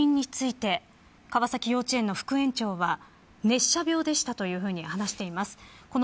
そして、死因について川崎幼稚園の副園長は熱射病でしたと話しています。